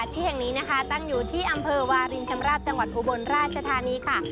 ที่แห่งนี้นะคะตั้งอยู่ที่อำเภอวารินชำราบจังหวัดอุบลราชธานีค่ะ